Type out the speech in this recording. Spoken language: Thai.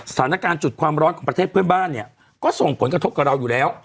สถานการณ์จุดความร้อนของประเทศเพื่อนบ้านเนี่ยก็ส่งผลกระทบกับเราอยู่แล้ว